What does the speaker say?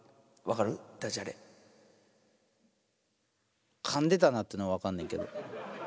かんでたなっていうのは分かんねんけど。